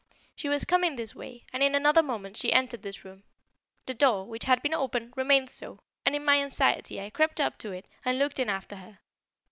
She was coming this way, and in another moment she entered this room. The door, which had been open, remained so, and in my anxiety I crept to it and looked in after her.